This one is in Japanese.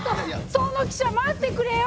その汽車待ってくれよ！